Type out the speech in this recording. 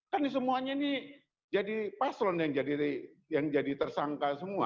kan semuanya ini jadi paslon yang jadi tersangka semua